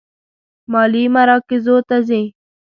مالي مراکزو ته ځي.